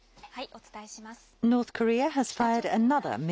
お伝えします。